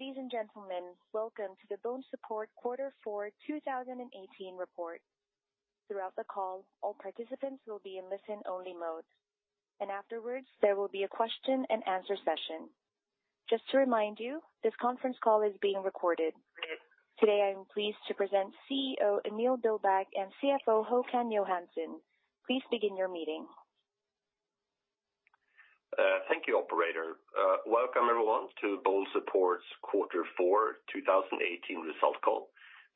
Ladies and gentlemen, welcome to the BONESUPPORT Quarter for 2018 report. Throughout the call, all participants will be in listen-only mode, and afterwards, there will be a question and answer session. Just to remind you, this conference call is being recorded. Today, I am pleased to present CEO, Emil Billbäck, and CFO, Håkan Johansson. Please begin your meeting. Thank you, operator. Welcome, everyone, to BONESUPPORT's Quarter for 2018 result call.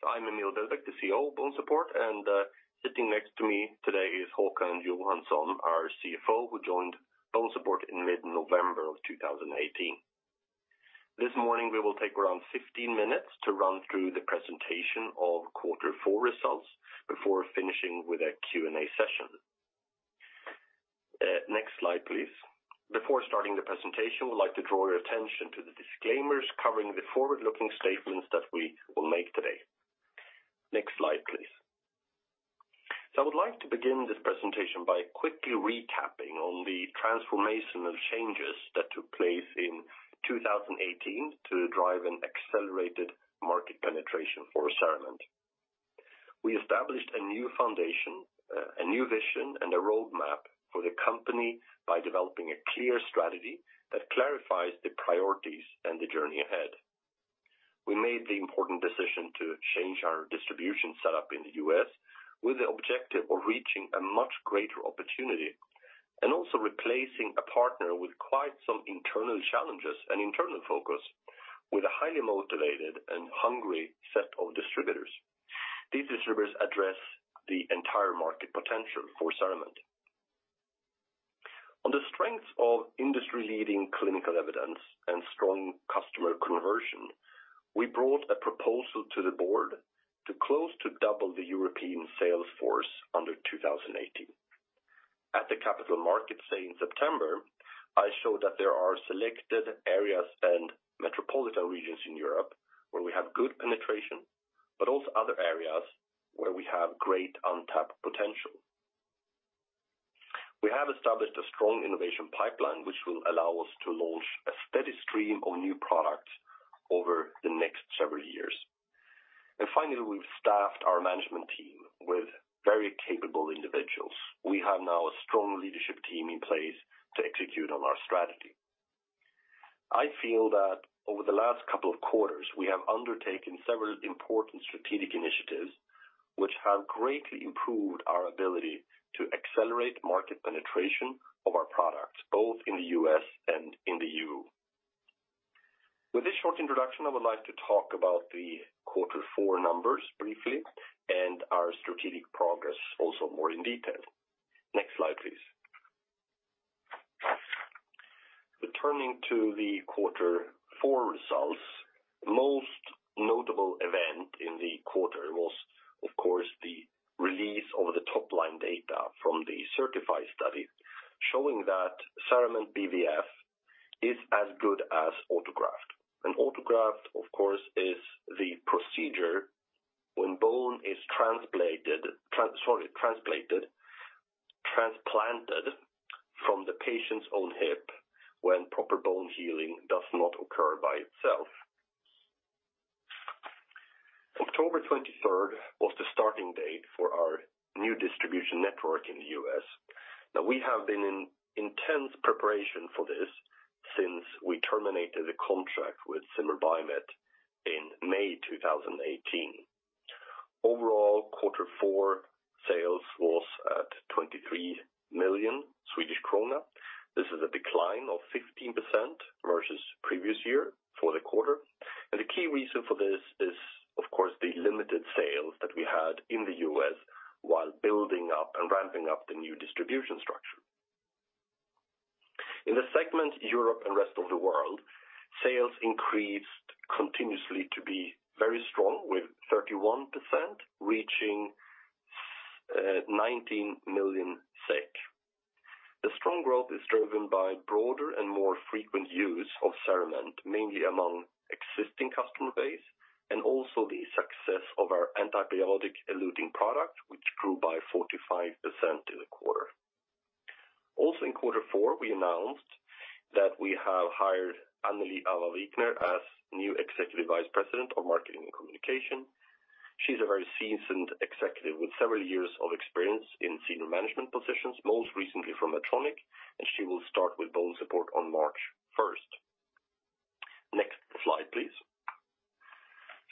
I'm Emil Billbäck, the CEO of BONESUPPORT, and sitting next to me today is Håkan Johansson, our CFO, who joined BONESUPPORT in mid-November of 2018. This morning, we will take around 15 minutes to run through the presentation of quarter four results before finishing with a Q&A session. Next slide, please. Before starting the presentation, we'd like to draw your attention to the disclaimers covering the forward-looking statements that we will make today. Next slide, please. I would like to begin this presentation by quickly recapping on the transformational changes that took place in 2018 to drive an accelerated market penetration for CERAMENT. We established a new foundation, a new vision, and a roadmap for the company by developing a clear strategy that clarifies the priorities and the journey ahead. We made the important decision to change our distribution setup in the U.S. with the objective of reaching a much greater opportunity, and also replacing a partner with quite some internal challenges and internal focus with a highly motivated and hungry set of distributors. These distributors address the entire market potential for CERAMENT. On the strength of industry-leading clinical evidence and strong customer conversion, we brought a proposal to the board to close to double the European sales force under 2018. At the Capital Markets Day in September, I showed that there are selected areas and metropolitan regions in Europe where we have good penetration, but also other areas where we have great untapped potential. We have established a strong innovation pipeline, which will allow us to launch a steady stream of new products over the next several years. Finally, we've staffed our management team with very capable individuals. We have now a strong leadership team in place to execute on our strategy. I feel that over the last couple of quarters, we have undertaken several important strategic initiatives, which have greatly improved our ability to accelerate market penetration of our products, both in the U.S. and in the EU. With this short introduction, I would like to talk about the quarter four numbers briefly and our strategic progress also more in detail. Next slide, please. Returning to the quarter four results, the most notable event in the quarter was, of course, the release of the top-line data from the CERTiFy study, showing that CERAMENT BVF is as good as autograft. An autograft, of course, is the procedure when bone is transplanted from the patient's own hip when proper bone healing does not occur by itself. October 23rd was the starting date for our new distribution network in the U.S. We have been in intense preparation for this since we terminated the contract with Zimmer Biomet in May 2018. Overall, quarter four sales was at 23 million Swedish krona. This is a decline of 15% versus previous year for the quarter, the key reason for this is, of course, the limited sales that we had in the U.S. while building up and ramping up the new distribution structure. In the segment, Europe and rest of the world, sales increased continuously to be very strong, with 31% reaching 19 million SEK. The strong growth is driven by broader and more frequent use of CERAMENT, mainly among existing customer base and also the success of our antibiotic-eluting product, which grew by 45% in the quarter. In quarter four, we announced that we have hired Annelie Aava Vikner as new Executive Vice President of marketing and communication. She's a very seasoned executive with several years of experience in senior management positions, most recently from Medtronic, she will start with BONESUPPORT on March 1st. Next slide, please.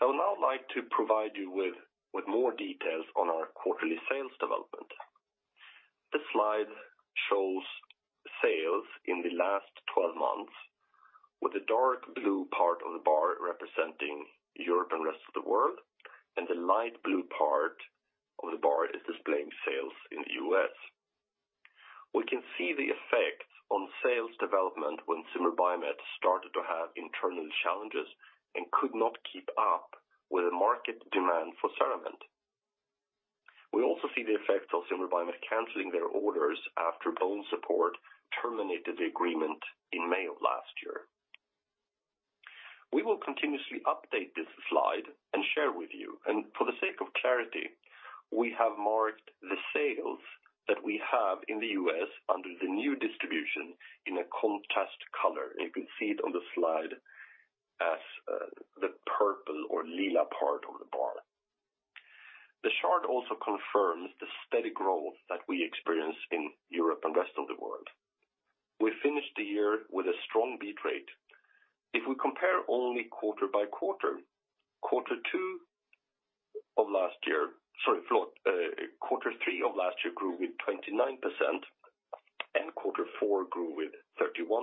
I would now like to provide you with more details on our quarterly sales development. This slide shows sales in the last 12 months, with the dark blue part of the bar representing Europe and rest of the world, and the light blue part of the bar is displaying sales in the U.S. We can see the effect on sales development when Zimmer Biomet started to have internal challenges and could not keep up with the market demand for CERAMENT. We also see the effect of Zimmer Biomet canceling their orders after BONESUPPORT terminated the agreement in May of last year. We will continuously update this slide and share with you. We have marked the sales that we have in the U.S. under the new distribution in a contrast color, and you can see it on the slide as the purple or lila part of the bar. The chart also confirms the steady growth that we experience in Europe and rest of the world. We finished the year with a strong beat rate. If we compare only quarter-by-quarter, quarter three of last year grew with 29%, and quarter four grew with 31%.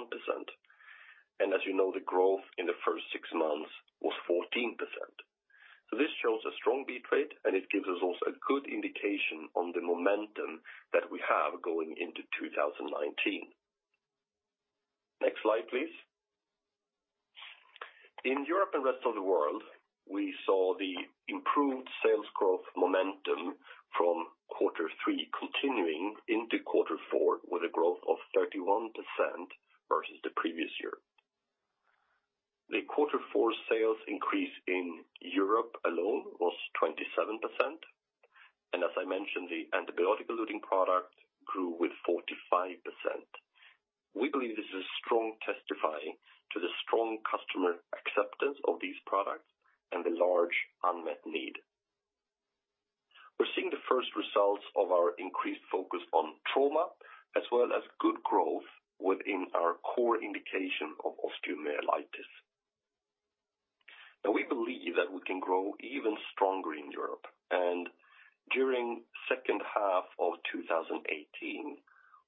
As you know, the growth in the first six months was 14%. This shows a strong beat rate, and it gives us also a good indication on the momentum that we have going into 2019. Next slide, please. In Europe and rest of the world, we saw the improved sales growth momentum from quarter three continuing into quarter four, with a growth of 31% versus the previous year. The quarter four sales increase in Europe alone was 27%, and as I mentioned, the antibiotic-eluting product grew with 45%. We believe this is a strong testifying to the strong customer acceptance of these products and the large unmet need. We're seeing the first results of our increased focus on trauma, as well as good growth within our core indication of osteomyelitis. We believe that we can grow even stronger in Europe, and during second half of 2018,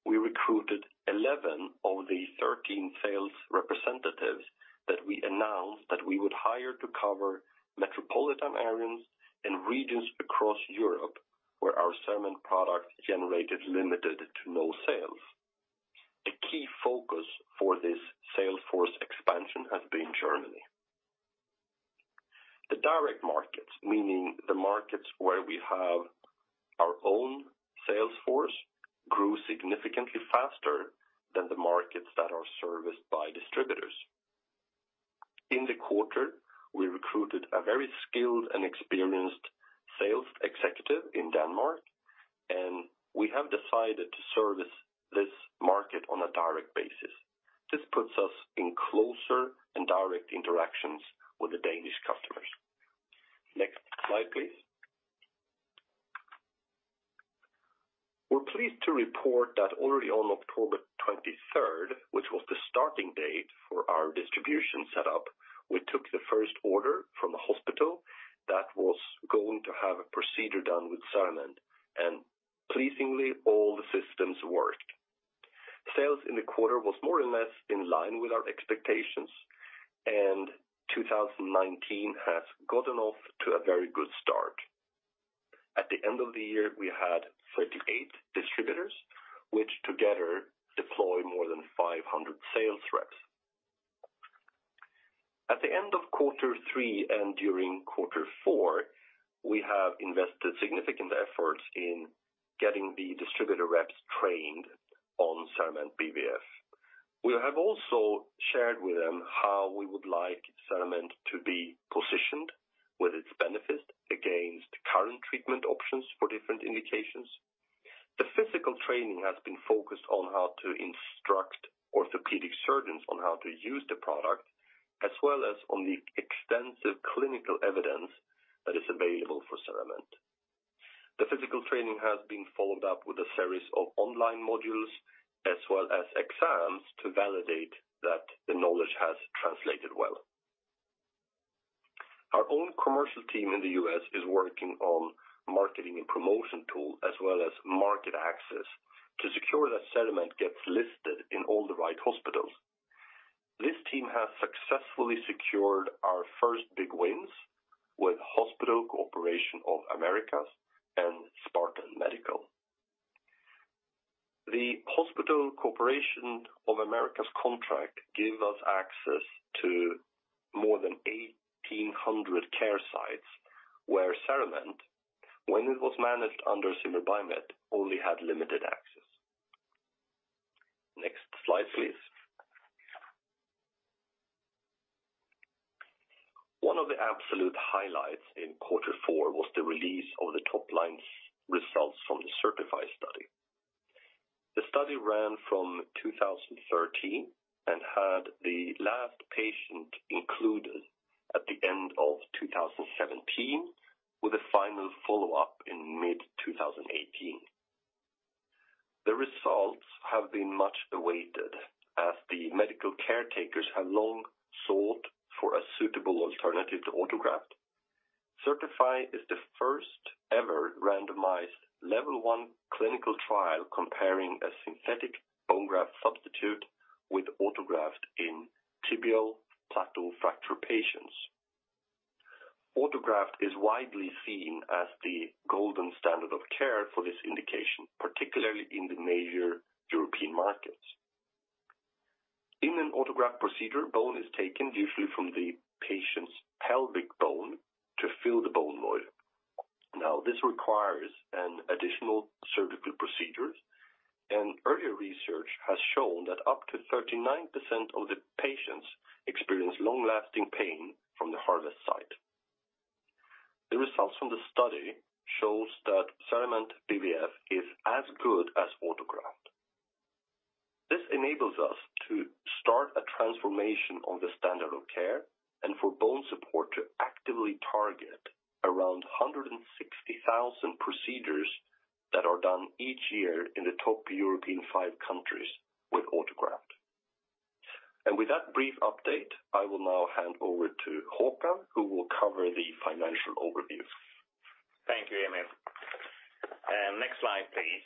we recruited 11 of the 13 sales representatives that we announced that we would hire to cover metropolitan areas and regions across Europe, where our CERAMENT product generated limited to no sales. A key focus for this sales force expansion has been Germany. The direct markets, meaning the markets where we have our own sales force, grew significantly faster than the markets that are serviced by distributors. In the quarter, we recruited a very skilled and experienced sales executive in Denmark, and we have decided to service this market on a direct basis. This puts us in closer and direct interactions with the Danish customers. Next slide, please. We're pleased to report that already on October 23rd, which was the starting date for our distribution setup, we took the first order from a hospital that was going to have a procedure done with CERAMENT. Pleasingly, all the systems worked. Sales in the quarter was more or less in line with our expectations. 2019 has gotten off to a very good start. At the end of the year, we had 38 distributors, which together deploy more than 500 sales reps. At the end of quarter three and during quarter four, we have invested significant efforts in getting the distributor reps trained on CERAMENT BVF. We have also shared with them how we would like CERAMENT to be positioned with its benefits against current treatment options for different indications. The physical training has been focused on how to instruct orthopedic surgeons on how to use the product, as well as on the extensive clinical evidence that is available for CERAMENT. The physical training has been followed up with a series of online modules as well as exams to validate that the knowledge has translated well. Our own commercial team in the U.S. is working on marketing and promotion tool, as well as market access, to secure that CERAMENT gets listed in all the right hospitals. This team has successfully secured our first big wins with HCA Healthcare and Spartan Medical. The HCA Healthcare's contract gave us access to more than 1,800 care sites, where CERAMENT, when it was managed under Zimmer Biomet, only had limited access. Next slide, please. One of the absolute highlights in quarter four was the release of the top-line results from the CERTiFy study. The study ran from 2013 and had the last patient included at the end of 2017, with a final follow-up in mid-2018. The results have been much awaited, as the medical caretakers have long sought for a suitable alternative to autograft. CERTiFy is the first-ever randomized level one clinical trial comparing a synthetic bone graft substitute with autograft in tibial plateau fracture patients. Autograft is widely seen as the golden standard of care for this indication, particularly in the major European markets. In an autograft procedure, bone is taken usually from the patient's pelvic bone to fill the bone void. Now, this requires an additional surgical procedures. Earlier research has shown that up to 39% of the patients experience long-lasting pain from the harvest site. The results from the study shows that CERAMENT BVF is as good as autograft. This enables us to start a transformation on the standard of care and for BONESUPPORT to actively target around 160,000 procedures that are done each year in the top European five countries with autograft. With that brief update, I will now hand over to Håkan, who will cover the financial overview. Thank you, Emil. Next slide, please.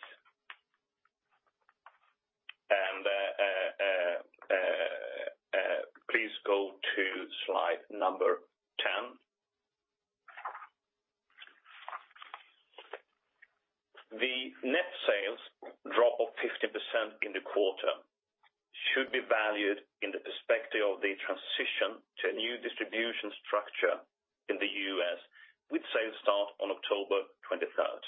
Please go to slide number 10. The net sales drop of 50% in the quarter should be valued in the perspective of the transition to a new distribution structure in the U.S., with sales start on October 23rd.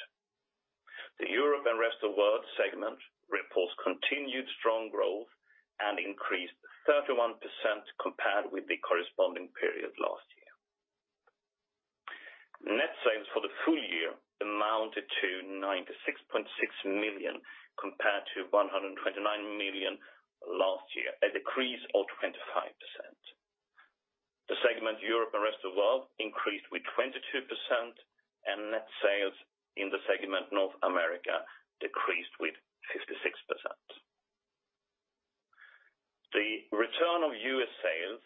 The Europe and rest of world segment reports continued strong growth and increased 31% compared with the corresponding period last year. Net sales for the full year amounted to 96.6 million, compared to 129 million last year, a decrease of 25%. The segment, Europe and rest of world, increased with 22%, and net sales in the segment North America decreased with 56%. The return of U.S. sales,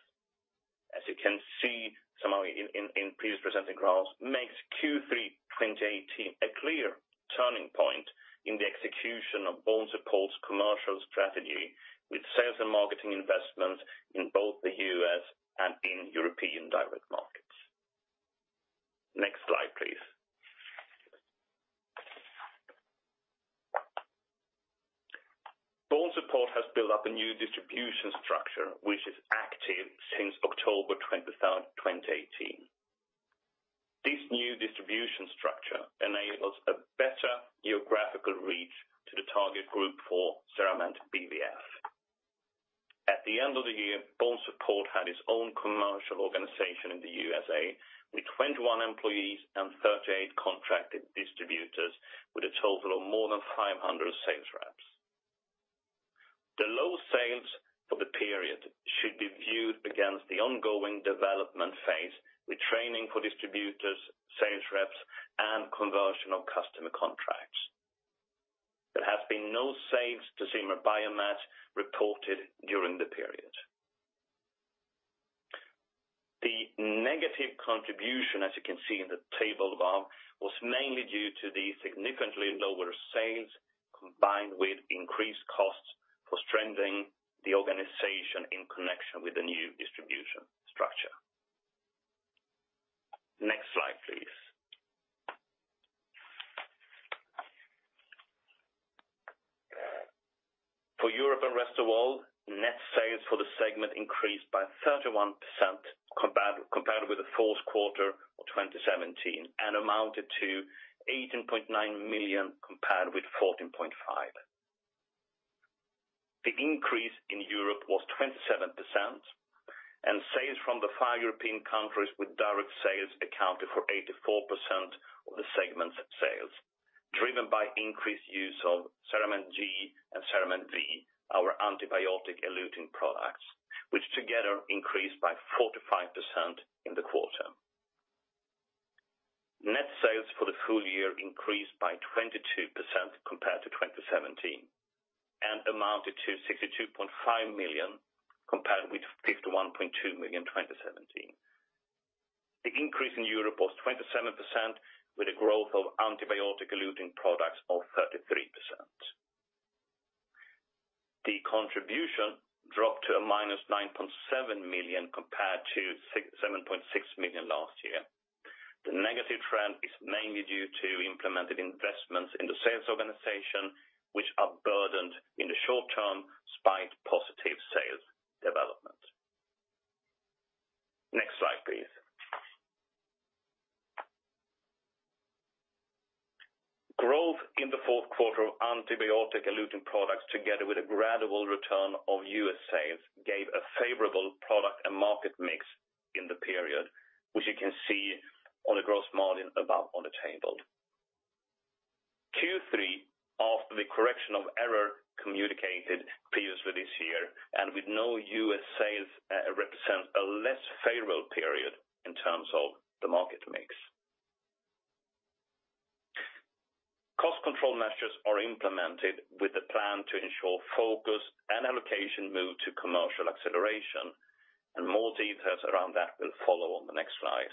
as you can see somehow in, in previous presenting graphs, makes Q3 2018, a clear turning point in the execution of BONESUPPORT's commercial strategy, with sales and marketing investments in both the U.S. and in European direct markets. Next slide, please. BONESUPPORT has built up a new distribution structure, which is active since October 2018. This new distribution structure enables a better geographical reach to the target group for CERAMENT BVF. At the end of the year, BONESUPPORT had its own commercial organization in the U.S.A., with 21 employees and 38 contracted distributors, with a total of more than 500 sales reps. The low sales for the period should be viewed against the ongoing development phase, with training for distributors, sales reps, and conversion of customer contracts. There have been no sales to Zimmer Biomet reported during the period. The negative contribution, as you can see in the table above, was mainly due to the significantly lower sales, combined with increased costs for strengthening the organization in connection with the new distribution structure. Next slide, please. For Europe and rest of world, net sales for the segment increased by 31%, compared with the fourth quarter of 2017, and amounted to 18.9 million, compared with 14.5 million. The increase in Europe was 27%, and sales from the five European countries with direct sales accounted for 84% of the segment's sales, driven by increased use of CERAMENT G and CERAMENT V, our antibiotic-eluting products, which together increased by 45% in the quarter. Net sales for the full year increased by 22% compared to 2017, and amounted to 62.5 million, compared with 51.2 million in 2017. The increase in Europe was 27%, with a growth of antibiotic-eluting products of 33%. The contribution dropped to -9.7 million, compared to 7.6 million last year. The negative trend is mainly due to implemented investments in the sales organization, which are burdened in the short term despite positive sales development. Next slide, please. Growth in the fourth quarter of antibiotic-eluting products, together with a gradual return of U.S. sales, gave a favorable product and market mix in the period, which you can see on the gross margin above on the table. Q3, after the correction of error communicated previously this year, with no U.S. sales, represents a less favorable period in terms of the market mix. Cost control measures are implemented with a plan to ensure focus and allocation move to commercial acceleration, more details around that will follow on the next slide.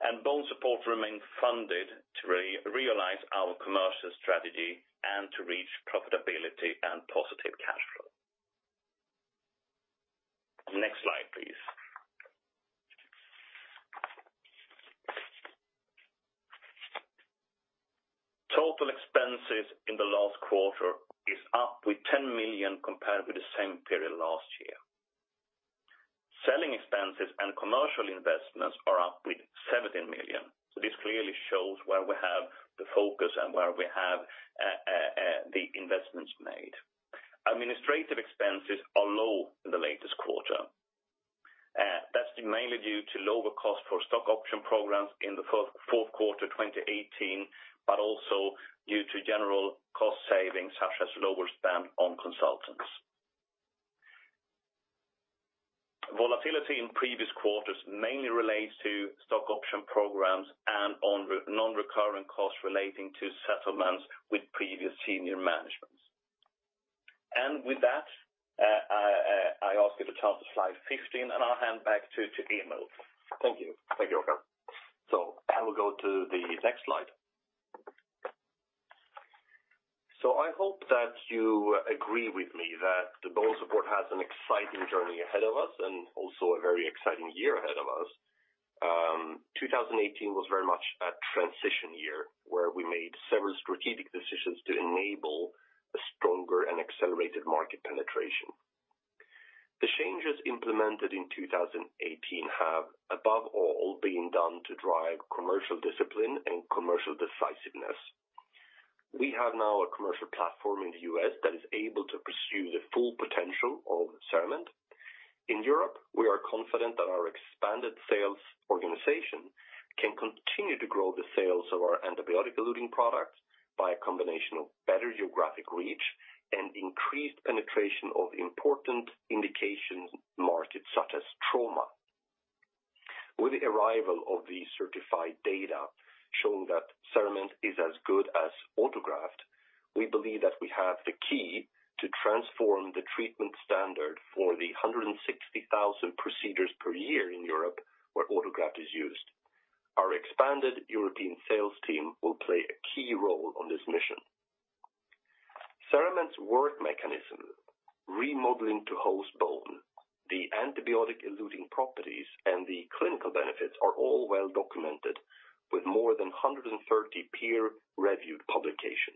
BONESUPPORT remains funded to realize our commercial strategy and to reach profitability and positive cash flow. Next slide, please. Total expenses in the last quarter is up with 10 million compared with the same period last year. Selling expenses and commercial investments are up with 17 million. This clearly shows where we have the focus and where we have the investments made. Administrative expenses are low in the latest quarter. That's mainly due to lower cost for stock option programs in the fourth quarter, 2018, but also due to general cost savings, such as lower spend on consultants. Volatility in previous quarters mainly relates to stock option programs and non-reoccurring costs relating to settlements with previous senior managements. With that, I ask you to turn to slide 15, and I'll hand back to Emil. Thank you. Thank you, Håkan. I will go to the next slide. I hope that you agree with me that the BONESUPPORT has an exciting journey ahead of us, and also a very exciting year ahead of us. 2018 was very much a transition year, where we made several strategic decisions to enable a stronger and accelerated market penetration. The changes implemented in 2018 have, above all, been done to drive commercial discipline and commercial decisiveness. We have now a commercial platform in the U.S. that is able to pursue the full potential of CERAMENT. In Europe, we are confident that our expanded sales organization can continue to grow the sales of our antibiotic-eluting product by a combination of better geographic reach and increased penetration of important indications markets, such as trauma. With the arrival of the CERTiFy data showing that CERAMENT is as good as autograft, we believe that we have the key to transform the treatment standard for the 160,000 procedures per year in Europe, where autograft is used. Our expanded European sales team will play a key role on this mission. CERAMENT's work mechanism, remodeling to host bone, the antibiotic-eluting properties, and the clinical benefits are all well documented with more than 130 peer-reviewed publication.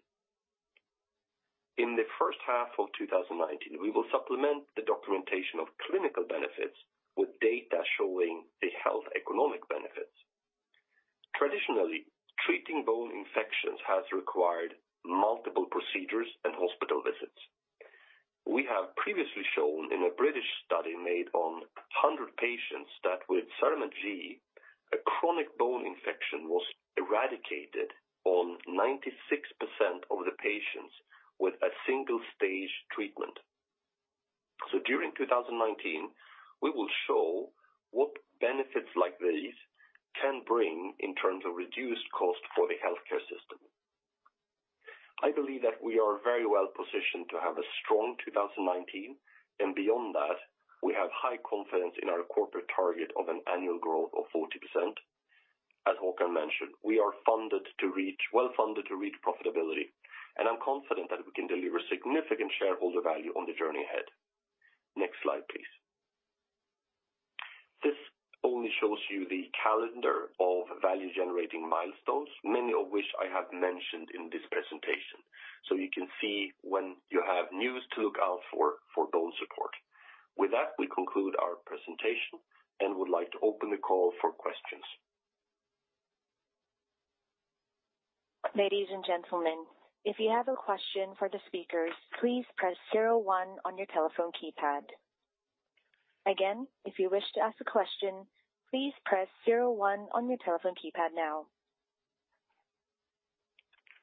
In the first half of 2019, we will supplement the documentation of clinical benefits with data showing the health economic benefits. Traditionally, treating bone infections has required multiple procedures and hospital visits. We have previously shown in a British study made on 100 patients, that with CERAMENT G, a chronic bone infection was eradicated on 96% of the patients with a single-stage treatment. During 2019, we will show what benefits like these can bring in terms of reduced cost for the healthcare system. I believe that we are very well positioned to have a strong 2019, and beyond that, we have high confidence in our corporate target of an annual growth of 40%. As Håkan mentioned, we are well-funded to reach profitability, and I'm confident that we can deliver significant shareholder value on the journey ahead. Next slide, please. This only shows you the calendar of value-generating milestones, many of which I have mentioned in this presentation. You can see when you have news to look out for BONESUPPORT. With that, we conclude our presentation and would like to open the call for questions. Ladies and gentlemen, if you have a question for the speakers, please press zero one on your telephone keypad. Again, if you wish to ask a question, please press zero one on your telephone keypad now.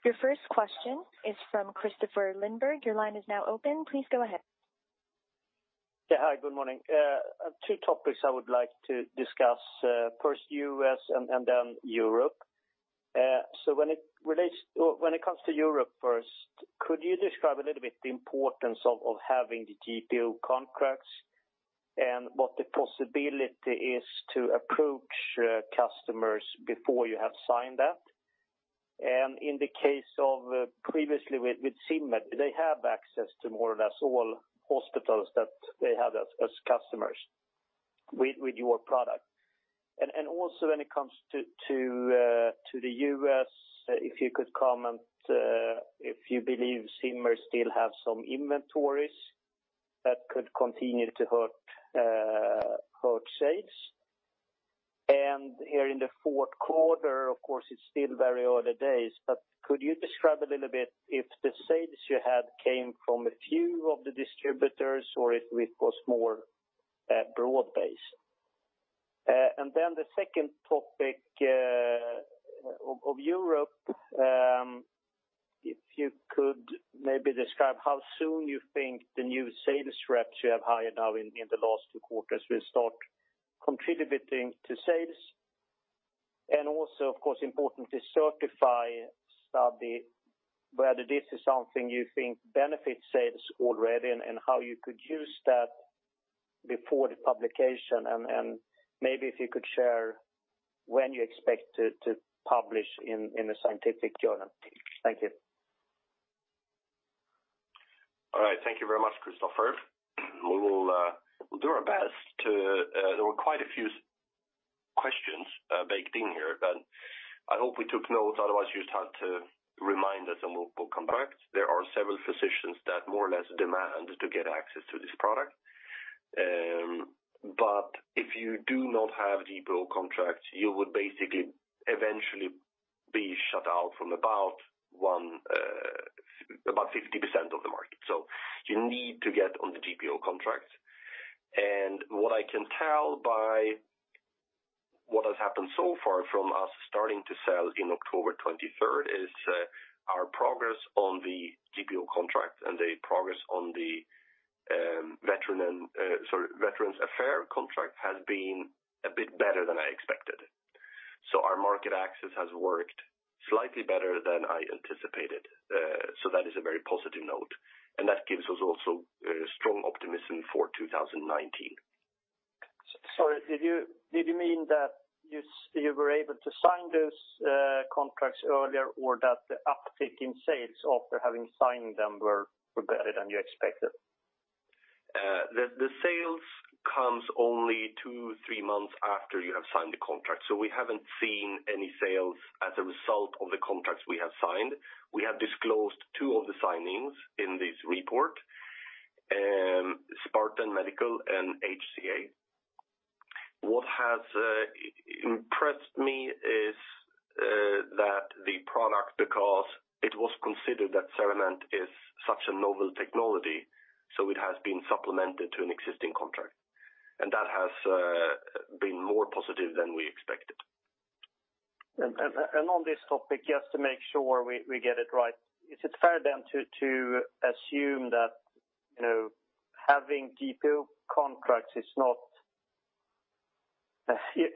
Your first question is from Kristofer Liljeberg. Your line is now open. Please go ahead. Yeah. Hi, good morning. Two topics I would like to discuss, first U.S. and then Europe. When it comes to Europe first, could you describe a little bit the importance of having the GPO contracts and what the possibility is to approach customers before you have signed that? In the case of previously with Zimmer, they have access to more or less all hospitals that they have as customers with your product. Also when it comes to the U.S., if you could comment if you believe Zimmer still have some inventories that could continue to hurt sales. Here in the fourth quarter, of course, it's still very early days, but could you describe a little bit if the sales you had came from a few of the distributors or if it was more broad-based? The second topic of Europe, if you could maybe describe how soon you think the new sales reps you have hired now in the last two quarters will start contributing to sales. Also, of course, important to CERTiFy study, whether this is something you think benefits sales already and how you could use that before the publication, and maybe if you could share when you expect to publish in a scientific journal. Thank you. All right. Thank you very much, Kristofer. We will, we'll do our best to. There were quite a few baked in here. I hope we took notes, otherwise, you just have to remind us and we'll come back. There are several physicians that more or less demand to get access to this product. If you do not have GPO contracts, you would basically eventually be shut out from about 50% of the market. You need to get on the GPO contract. What I can tell by what has happened so far from us starting to sell in October 23rd, is, our progress on the GPO contract and the progress on the, veteran and, sorry, Veterans Affairs contract has been a bit better than I expected. Our market access has worked slightly better than I anticipated. That is a very positive note, and that gives us also strong optimism for 2019. Sorry, did you mean that you were able to sign those contracts earlier, or that the uptake in sales after having signed them were better than you expected? The sales comes only two, three months after you have signed the contract, so we haven't seen any sales as a result of the contracts we have signed. We have disclosed two of the signings in this report, Spartan Medical and HCA. What has impressed me is that the product, because it was considered that CERAMENT is such a novel technology, so it has been supplemented to an existing contract, and that has been more positive than we expected. On this topic, just to make sure we get it right, is it fair then to assume that, you know, having GPO contracts is not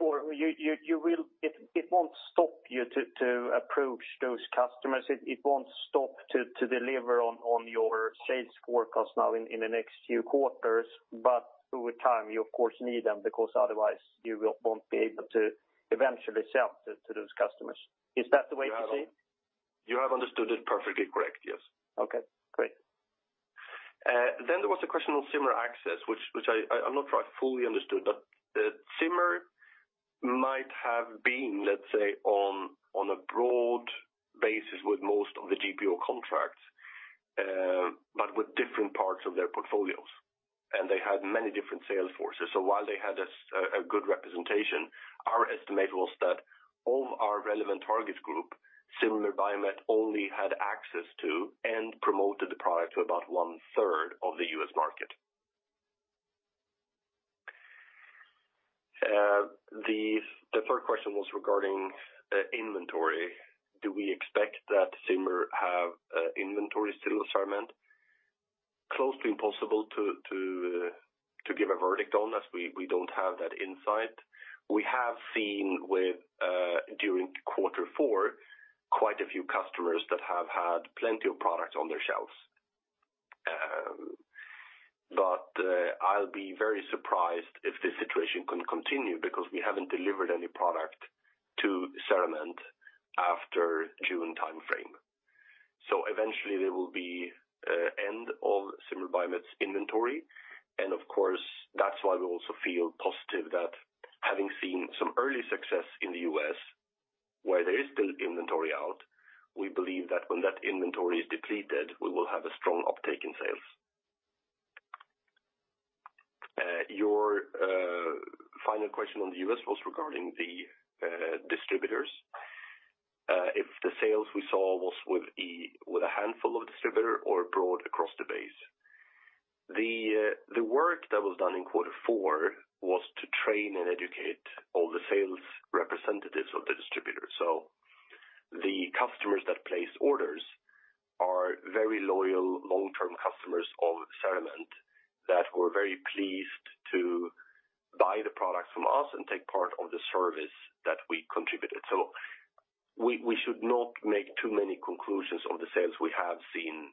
or you will it won't stop you to approach those customers, it won't stop to deliver on your sales forecast now in the next few quarters, but over time, you of course, need them, because otherwise you won't be able to eventually sell to those customers. Is that the way to see? You have understood it perfectly correct, yes. Okay, great. There was a question on Zimmer access, which I'm not sure I fully understood. Zimmer might have been, let's say, on a broad basis with most of the GPO contracts, but with different parts of their portfolios, and they had many different sales forces. While they had a good representation, our estimate was that of our relevant target group, Zimmer Biomet only had access to and promoted the product to about 1/3 of the U.S. market. The third question was regarding inventory. Do we expect that Zimmer have inventory still of CERAMENT? Closely impossible to give a verdict on, as we don't have that insight. We have seen with during quarter four, quite a few customers that have had plenty of products on their shelves. I'll be very surprised if this situation can continue because we haven't delivered any product to CERAMENT after June time frame. Eventually, there will be a end of Zimmer Biomet's inventory, and of course, that's why we also feel positive that having seen some early success in the U.S., where there is still inventory out, we believe that when that inventory is depleted, we will have a strong uptake in sales. Your final question on the U.S. was regarding the distributors. If the sales we saw was with a handful of distributor or broad across the base. The work that was done in quarter four was to train and educate all the sales representatives of the distributor. The customers that place orders are very loyal, long-term customers of CERAMENT that were very pleased to buy the product from us and take part of the service that we contributed. We should not make too many conclusions of the sales we have seen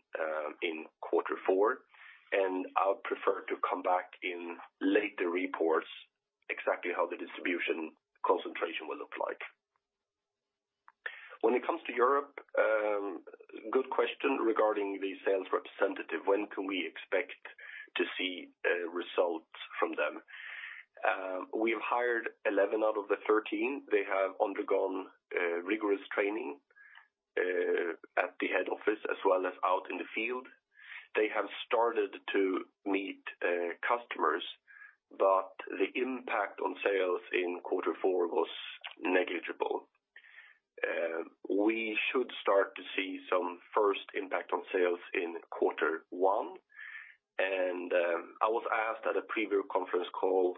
in quarter four. I'd prefer to come back in later reports exactly how the distribution concentration will look like. When it comes to Europe, good question regarding the sales representative. When can we expect to see results from them? We have hired 11 out of the 13. They have undergone rigorous training at the head office as well as out in the field. They have started to meet customers. The impact on sales in quarter four was negligible. We should start to see some first impact on sales in quarter one, and I was asked at a preview conference call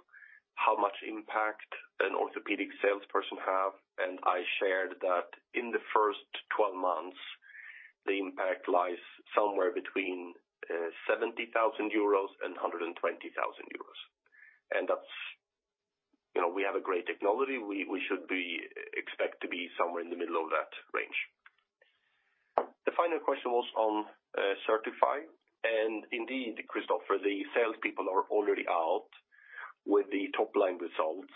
how much impact an orthopedic salesperson have, and I shared that in the first 12 months, the impact lies somewhere between 70,000 euros and 120,000 euros. That's, you know, we have a great technology. We expect to be somewhere in the middle of that range. The final question was on CERTiFy, and indeed, Kristofer, the salespeople are already out with the top-line results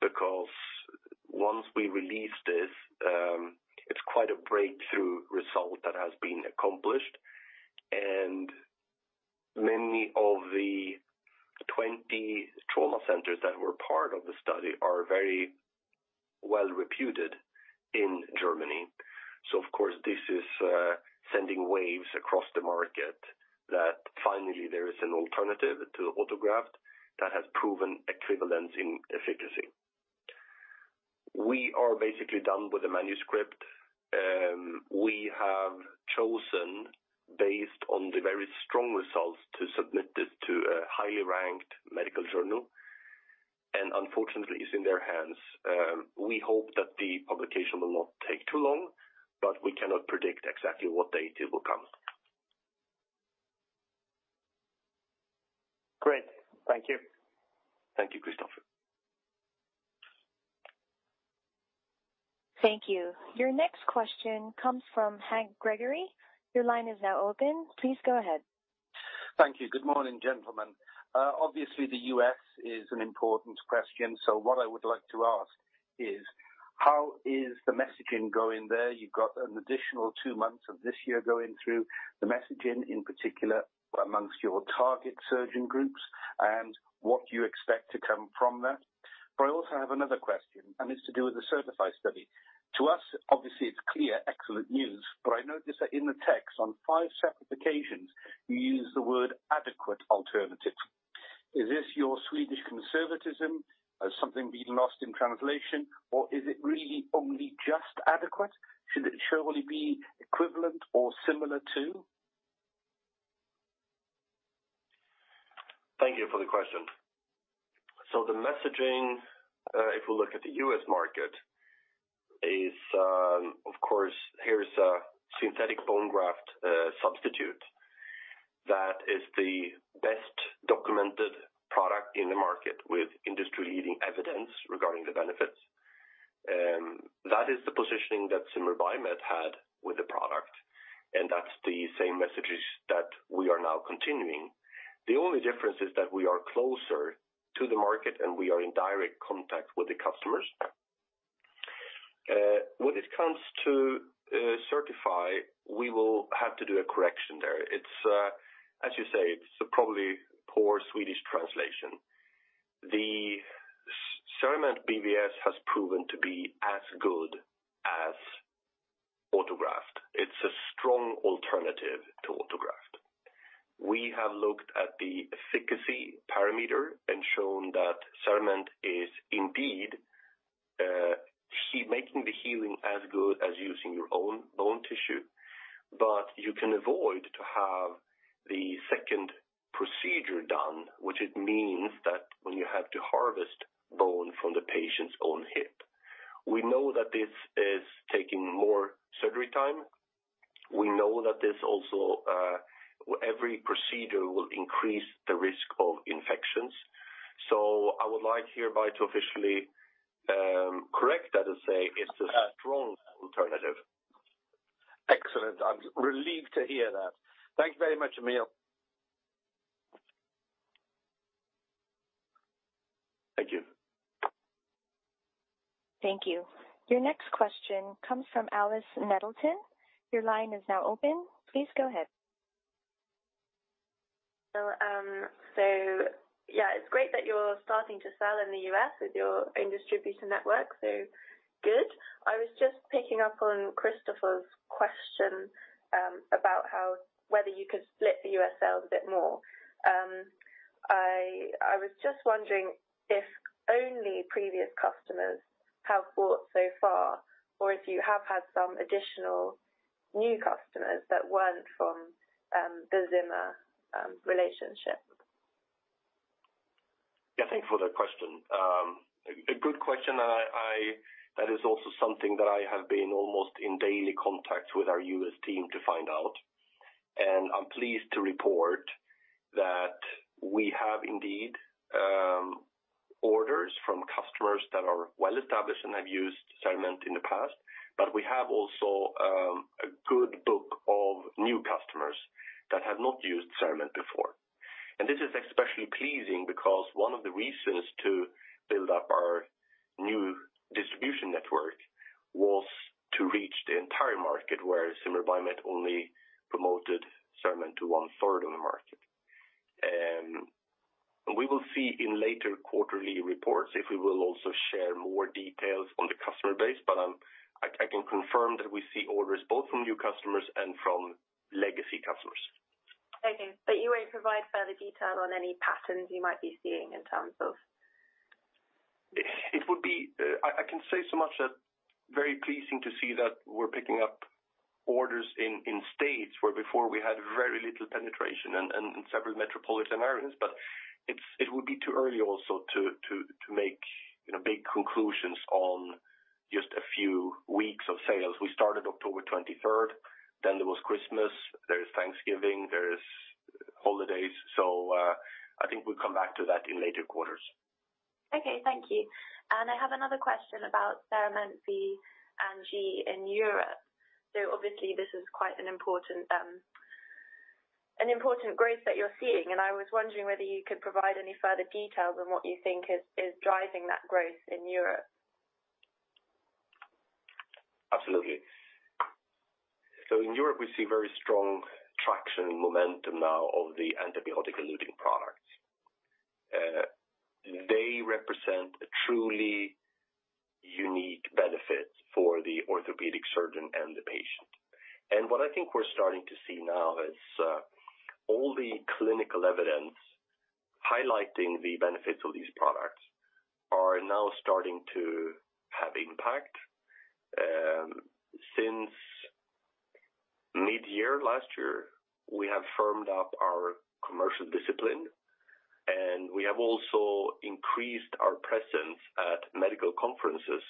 because once we release this, it's quite a breakthrough result that has been accomplished. Many of the 20 trauma centers that were part of the study are very well reputed in Germany. Of course, this is sending waves across the market that finally there is an alternative to the autograft that has proven equivalent in efficacy. We are basically done with the manuscript. We have chosen, based on the very strong results, to submit this to a highly ranked medical journal, and unfortunately, it's in their hands. We hope that the publication will not take too long, but we cannot predict exactly what date it will come. Great. Thank you. Thank you, Kristofer. Thank you. Your next question comes from Hank Gregory. Your line is now open. Please go ahead. Thank you. Good morning, gentlemen. Obviously, the U.S. is an important question. What I would like to ask is: how is the messaging going there? You've got an additional two months of this year going through the messaging, in particular, amongst your target surgeon groups, and what do you expect to come from that? I also have another question. It's to do with the CERTiFy study. To us, obviously, it's clear, excellent news, but I notice that in the text, on five separate occasions, you use the word adequate alternative. Is this your Swedish conservatism or something being lost in translation, or is it really only just adequate? Should it surely be equivalent or similar to? Thank you for the question. The messaging, if we look at the U.S. market, is, of course, here's a synthetic bone graft substitute that is the best documented product in the market, with industry-leading evidence regarding the benefits. That is the positioning that Zimmer Biomet had with the product, and that's the same messages that we are now continuing. The only difference is that we are closer to the market, and we are in direct contact with the customers. When it comes to CERTiFy, we will have to do a correction there. It's, as you say, a probably poor Swedish translation. The CERAMENT BVF has proven to be as good as autograft. It's a strong alternative to autograft. We have looked at the efficacy parameter and shown that CERAMENT is indeed making the healing as good as using your own bone tissue, but you can avoid to have the second procedure done, which it means that when you have to harvest bone from the patient's own hip. We know that this is taking more surgery time. We know that this also, every procedure will increase the risk of infections. So I would like hereby to officially, correct that and say, it's a strong alternative. Excellent. I'm relieved to hear that. Thank you very much, Emil. Thank you. Thank you. Your next question comes from Alice Nettleton. Your line is now open. Please go ahead. Yeah, it's great that you're starting to sell in the U.S. with your own distribution network, so good. I was just picking up on Kristofer's question about whether you could split the U.S. sales a bit more. I was just wondering if only previous customers have bought so far, or if you have had some additional new customers that weren't from the Zimmer relationship. Yeah, thank you for that question. A good question, and that is also something that I have been almost in daily contact with our U.S. team to find out, and I'm pleased to report that we have indeed, orders from customers that are well-established and have used CERAMENT in the past, but we have also, a good book of new customers that have not used CERAMENT before. This is especially pleasing because one of the reasons to build up our new distribution network was to reach the entire market, where Zimmer Biomet only promoted CERAMENT to one-third of the market. We will see in later quarterly reports if we will also share more details on the customer base, I can confirm that we see orders both from new customers and from legacy customers. Okay, you won't provide further detail on any patterns you might be seeing in terms of... It would be I can say so much that very pleasing to see that we're picking up orders in states where before we had very little penetration and in several metropolitan areas, but it would be too early also to make, you know, big conclusions on just a few weeks of sales. We started October 23rd, then there was Christmas, there's Thanksgiving, there's holidays. I think we'll come back to that in later quarters. Okay, thank you. I have another question about CERAMENT V and G in Europe. Obviously, this is quite an important, an important growth that you're seeing, and I was wondering whether you could provide any further details on what you think is driving that growth in Europe? Absolutely. In Europe, we see very strong traction and momentum now of the antibiotic-eluting products. They represent a truly unique benefit for the orthopedic surgeon and the patient. What I think we're starting to see now is all the clinical evidence highlighting the benefits of these products are now starting to have impact. Since mid-year last year, we have firmed up our commercial discipline, and we have also increased our presence at medical conferences.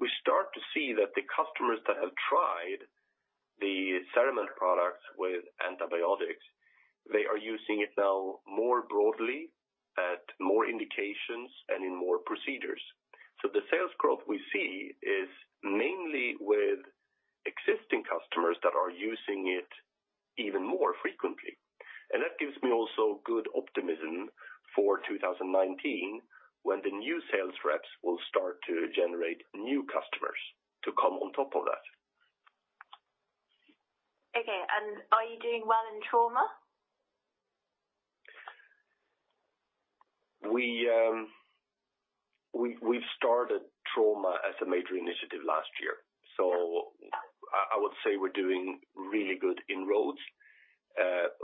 We start to see that the customers that have tried the CERAMENT products with antibiotics, they are using it now more broadly at more indications and in more procedures. The sales growth we see is mainly with existing customers that are using it even more frequently. That gives me also good optimism for 2019, when the new sales reps will start to generate new customers to come on top of that. Okay. Are you doing well in trauma? We started trauma as a major initiative last year, I would say we're doing really good inroads.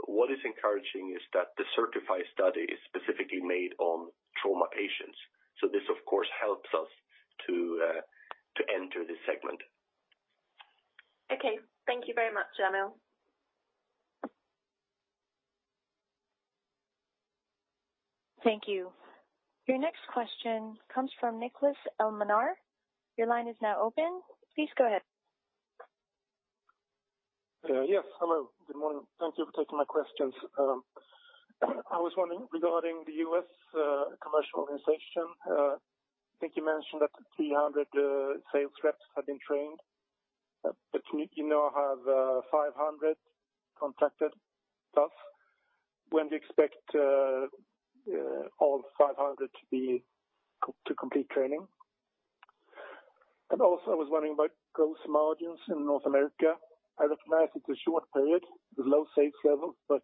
What is encouraging is that the CERTiFy study is specifically made on trauma patients, this, of course, helps us to enter this segment. Okay. Thank you very much, Emil. Thank you. Your next question comes from Niklas Elmhammer. Your line is now open. Please go ahead. Yes. Hello. Good morning. Thank you for taking my questions. I was wondering regarding the U.S. commercial organization, I think you mentioned that 300 sales reps have been trained, but you now have 500 contacted thus, when do you expect all 500 to complete training? I was wondering about gross margins in North America. I recognize it's a short period with low sales level, but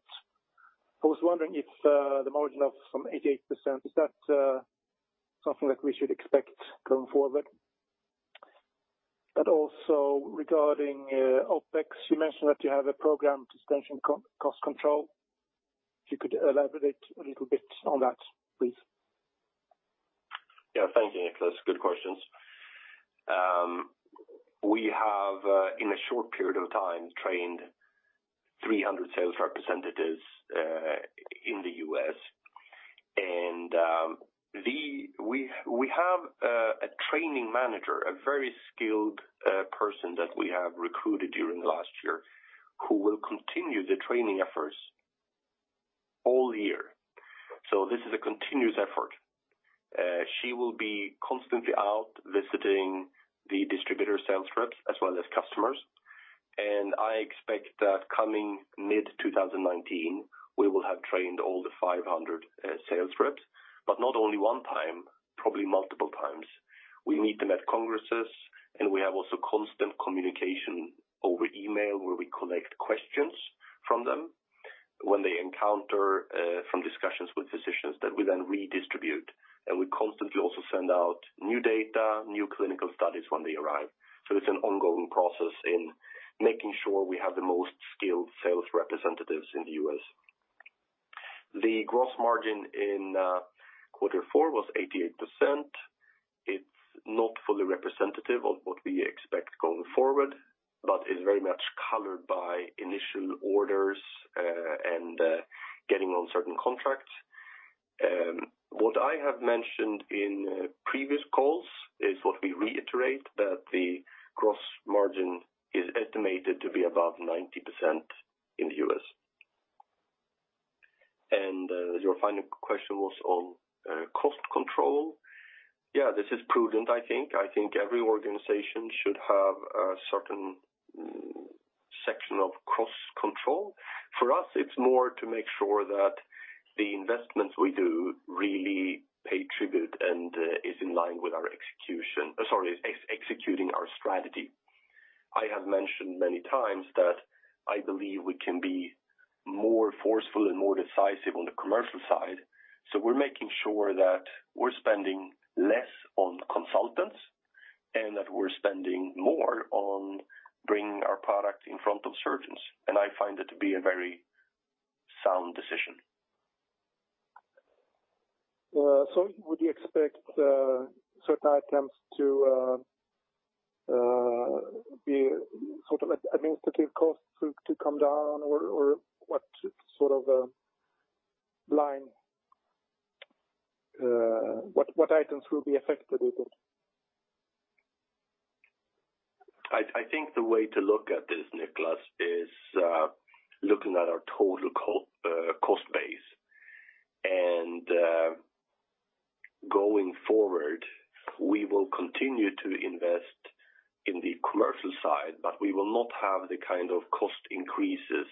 I was wondering if the margin of some 88%, is that something that we should expect going forward? Regarding OpEx, you mentioned that you have a program to strengthen co-cost control. If you could elaborate a little bit on that, please. Thank you, Niklas. Good questions. We have in a short period of time, trained 300 sales representatives in the U.S. We have a training manager, a very skilled person that we have recruited during last year, who will continue the training efforts all year. So this is a continuous effort. She will be constantly out visiting the distributor sales reps as well as customers, and I expect that coming mid-2019, we will have trained all the 500 sales reps, but not only one time, probably multiple times. We meet them at congresses, and we have also constant communication over email, where we collect questions from them when they encounter from discussions with physicians that we then redistribute. We constantly also send out new data, new clinical studies when they arrive. It's an ongoing process in making sure we have the most skilled sales representatives in the U.S. The gross margin in quarter four was 88%. It's not fully representative of what we expect going forward, but is very much colored by initial orders and getting on certain contracts. What I have mentioned in previous calls is what we reiterate, that the gross margin is estimated to be above 90% in the U.S. Your final question was on cost control. Yeah, this is prudent, I think. I think every organization should have a certain section of cost control. For us, it's more to make sure that the investments we do really pay tribute and is in line with our executing our strategy. I have mentioned many times that I believe we can be more forceful and more decisive on the commercial side. We're making sure that we're spending less on consultants and that we're spending more on bringing our product in front of surgeons. I find it to be a very sound decision. Would you expect certain items to be sort of administrative costs to come down or what sort of line, what items will be affected with it? I think the way to look at this, Niklas, is looking at our total cost base. Going forward, we will continue to invest in the commercial side, but we will not have the kind of cost increases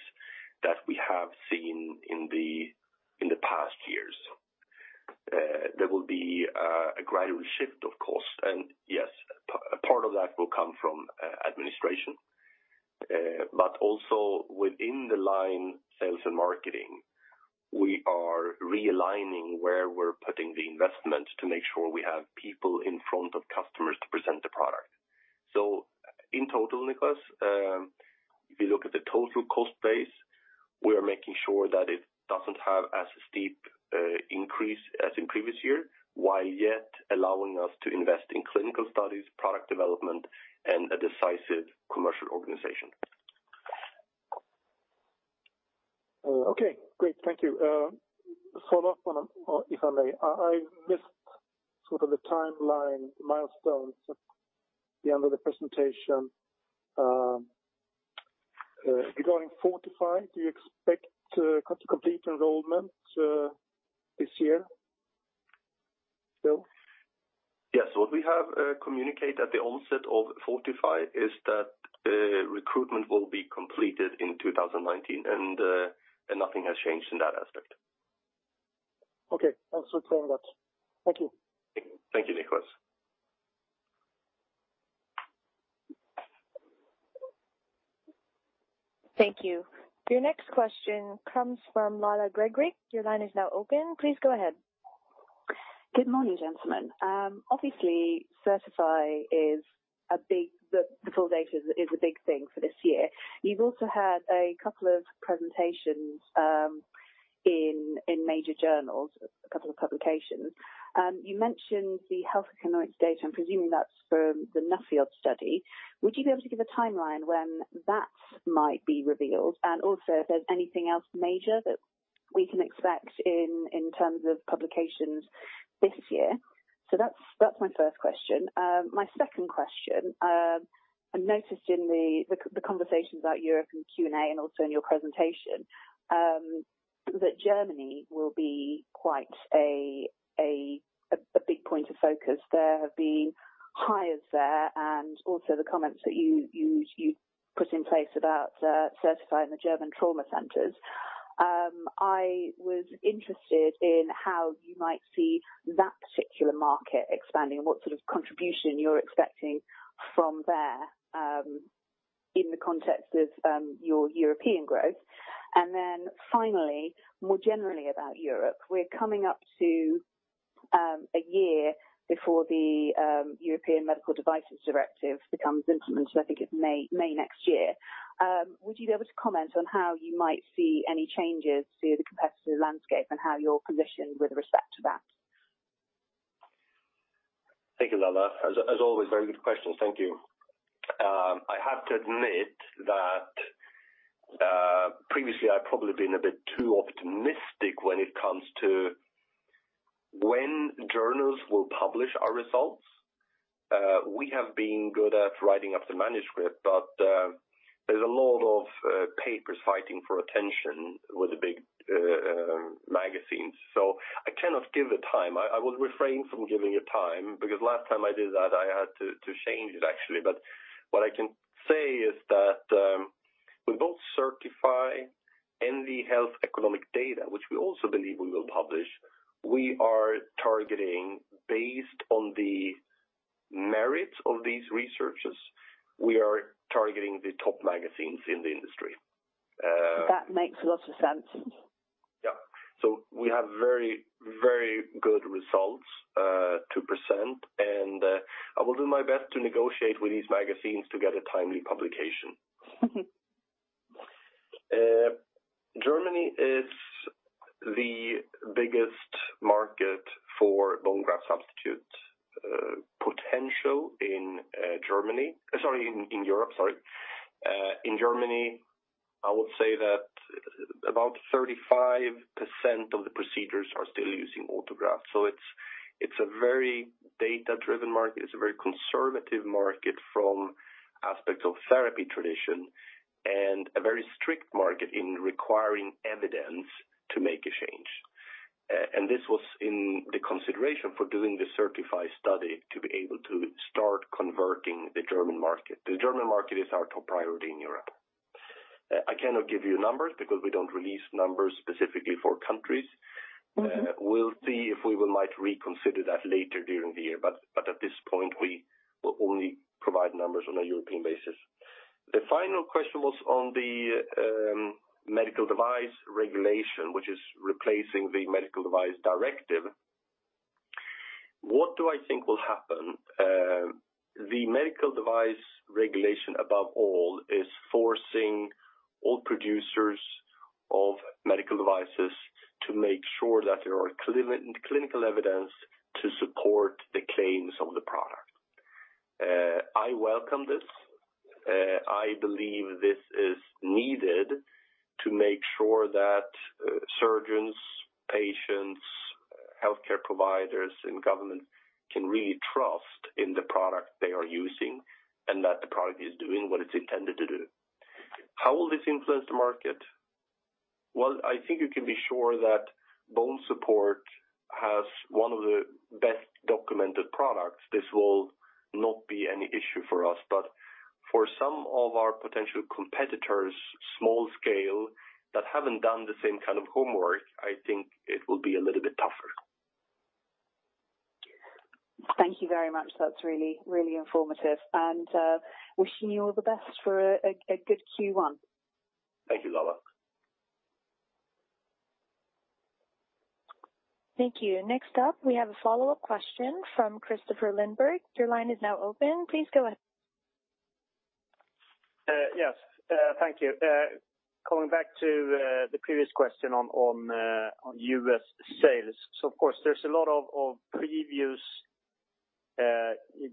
that we have seen in the past years. There will be a gradual shift, of course, and yes, a part of that will come from administration. Also within the line sales and marketing, we are realigning where we're putting the investment to make sure we have people in front of customers to present the product. In total, Niklas, if you look at the total cost base, we are making sure that it doesn't have as steep increase as in previous year, while yet allowing us to invest in clinical studies, product development, and a decisive commercial organization. Okay, great. Thank you. Follow-up on, if I may. I missed sort of the timeline milestones at the end of the presentation. Regarding FORTIFY, do you expect to complete enrollment this year still? Yes. What we have communicated at the onset of FORTIFY is that recruitment will be completed in 2019. Nothing has changed in that aspect. Okay, I'll certainly end that. Thank you. Thank you, Niklas. Thank you. Your next question comes from Lalla Gregory. Your line is now open. Please go ahead. Good morning, gentlemen. Obviously, CERTiFy the full data is a big thing for this year. You've also had a couple of presentations in major journals, a couple of publications. You mentioned the health economics data. I'm presuming that's from the Nuffield study. Would you be able to give a timeline when that might be revealed? Also, if there's anything else major that we can expect in terms of publications this year? That's my first question. My second question, I noticed in the conversations about Europe and Q&A and also in your presentation, that Germany will be quite a big point of focus. There have been hires there, also the comments that you put in place about certifying the German trauma centers. I was interested in how you might see that particular market expanding and what sort of contribution you're expecting from there in the context of your European growth. Finally, more generally about Europe, we're coming up to a year before the European Medical Devices Directive becomes implemented. I think it's May next year. Would you be able to comment on how you might see any changes to the competitive landscape and how you're positioned with respect to that? Thank you, Lalla. As always, very good questions. Thank you. I have to admit that previously, I've probably been a bit too optimistic when it comes to when journals will publish our results. We have been good at writing up the manuscript, but there's a lot of papers fighting for attention with the big magazines, so I cannot give a time. I would refrain from giving a time because last time I did that, I had to change it, actually. What I can say is that with both CERTiFy and the health economic data, which we also believe we will publish, we are targeting based on the merit of these researches, we are targeting the top magazines in the industry. That makes a lot of sense. We have very, very good results to present, and I will do my best to negotiate with these magazines to get a timely publication. Germany is the biggest market for bone graft substitute. Potential in Europe. In Germany, I would say that about 35% of the procedures are still using autograft. It's a very data-driven market. It's a very conservative market from aspect of therapy tradition, and a very strict market in requiring evidence to make a change. This was in the consideration for doing the CERTiFy study, to be able to start converting the German market. The German market is our top priority in Europe. I cannot give you numbers because we don't release numbers specifically for countries. Mm-hmm. We'll see if we will might reconsider that later during the year, but at this point, we will only provide numbers on a European basis. The final question was on the Medical Device Regulation, which is replacing the Medical Device Directive. What do I think will happen? The Medical Device Regulation, above all, is forcing all producers of medical devices to make sure that there are clinical evidence to support the claims of the product. I welcome this. I believe this is needed to make sure that surgeons, patients, healthcare providers, and government can really trust in the product they are using and that the product is doing what it's intended to do. How will this influence the market? I think you can be sure that BONESUPPORT has one of the best-... documented products, this will not be any issue for us, but for some of our potential competitors, small scale, that haven't done the same kind of homework, I think it will be a little bit tougher. Thank you very much. That's really, really informative, and wishing you all the best for a good Q1. Thank you, Lalla. Thank you. Next up, we have a follow-up question from Kristofer Liljeberg. Your line is now open. Please go ahead. Yes, thank you. Going back to the previous question on U.S. sales. Of course, there's a lot of previous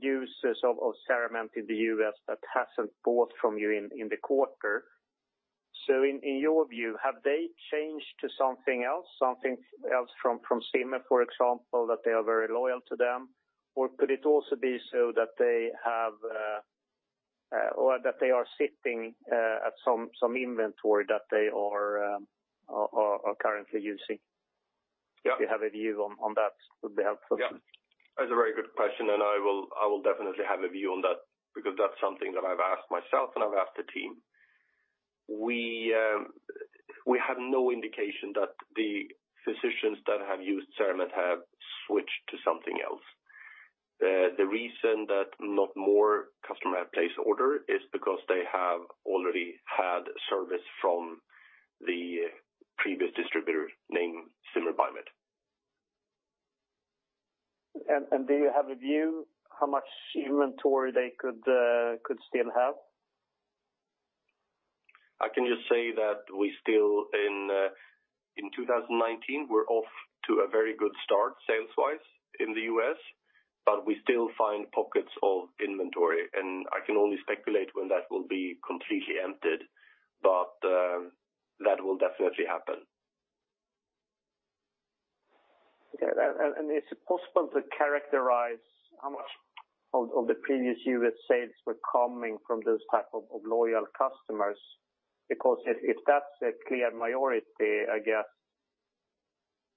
users of CERAMENT in the U.S. that hasn't bought from you in the quarter. In your view, have they changed to something else from Zimmer, for example, that they are very loyal to them? Could it also be so that they have, or that they are sitting at some inventory that they are currently using? Yeah. If you have a view on that, would be helpful. Yeah. That's a very good question, and I will definitely have a view on that because that's something that I've asked myself, and I've asked the team. We have no indication that the physicians that have used CERAMENT have switched to something else. The reason that not more customer have placed order is because they have already had service from the previous distributor named Zimmer Biomet. Do you have a view how much inventory they could still have? I can just say that we still in 2019, we're off to a very good start, sales-wise, in the U.S., but we still find pockets of inventory, and I can only speculate when that will be completely emptied, but that will definitely happen. Okay. Is it possible to characterize how much of the previous U.S. sales were coming from those type of loyal customers? Because if that's a clear majority, I guess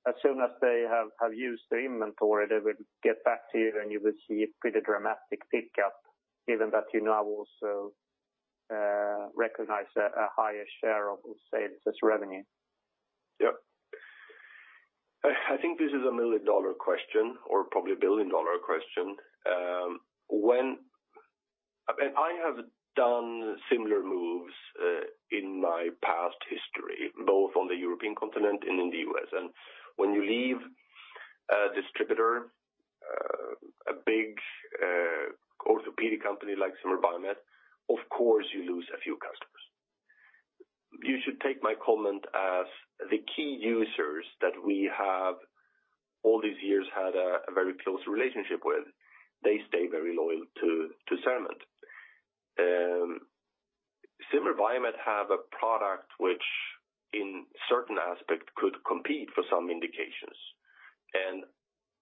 as soon as they have used the inventory, they will get back to you, and you will see a pretty dramatic pick up, given that you now also recognize a higher share of sales as revenue. Yeah. I think this is a $1 million question or probably a $1 billion question. I have done similar moves in my past history, both on the European continent and in the U.S. When you leave a distributor, a big orthopedic company like Zimmer Biomet, of course, you lose a few customers. You should take my comment as the key users that we have all these years had a very close relationship with, they stay very loyal to Cerament. Zimmer Biomet have a product which in certain aspect, could compete for some indications, and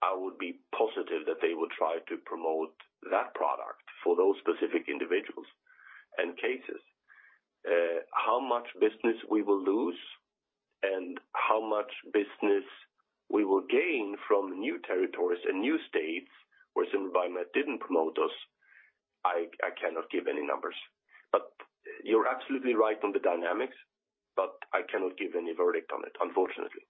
I would be positive that they would try to promote that product for those specific individuals and cases. How much business we will lose and how much business we will gain from new territories and new states where Zimmer Biomet didn't promote us, I cannot give any numbers. You're absolutely right on the dynamics, but I cannot give any verdict on it, unfortunately.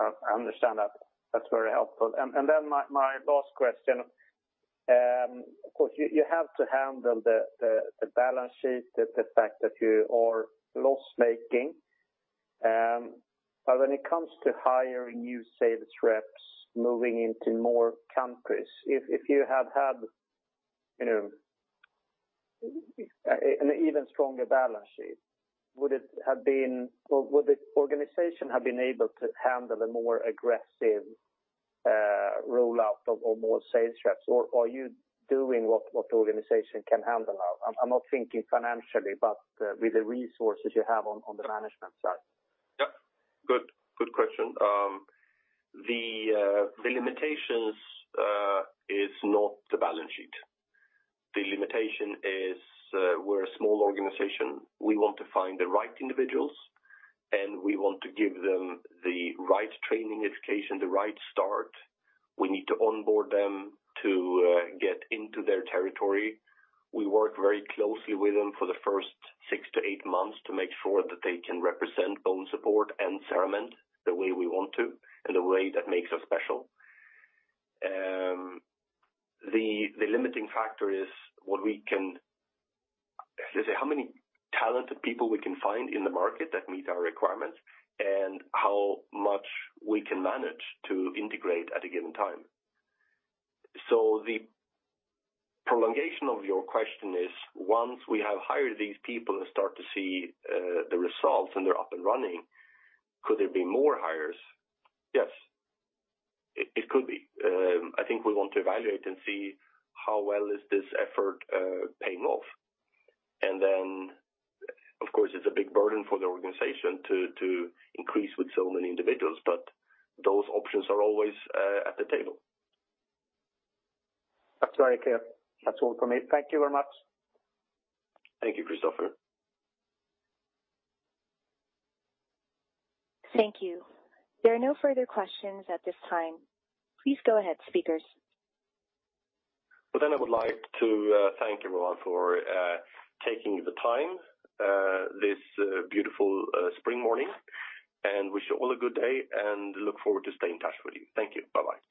I understand that. That's very helpful. Then my last question, of course, you have to handle the balance sheet, the fact that you are loss-making. When it comes to hiring new sales reps, moving into more countries, if you have had, you know, an even stronger balance sheet, would the organization have been able to handle a more aggressive rollout of more sales reps, or are you doing what the organization can handle now? I'm not thinking financially, but with the resources you have on the management side. Yeah. Good question. The limitations is not the balance sheet. The limitation is, we're a small organization. We want to find the right individuals, we want to give them the right training, education, the right start. We need to onboard them to get into their territory. We work very closely with them for the first 6-8 months to make sure that they can represent BONESUPPORT and CERAMENT the way we want to, the way that makes us special. The limiting factor is how many talented people we can find in the market that meet our requirements, how much we can manage to integrate at a given time. The prolongation of your question is, once we have hired these people and start to see the results and they're up and running, could there be more hires? Yes, it could be. I think we want to evaluate and see how well is this effort paying off. Of course, it's a big burden for the organization to increase with so many individuals, but those options are always at the table. That's very clear. That's all from me. Thank you very much. Thank you, Kristofer. Thank you. There are no further questions at this time. Please go ahead, speakers. Well, I would like to thank everyone for taking the time this beautiful spring morning, and wish you all a good day, and look forward to stay in touch with you. Thank you. Bye-bye.